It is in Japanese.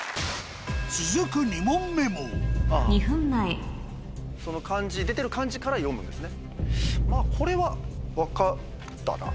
続く２問目も２分前出てる漢字から読むんですね。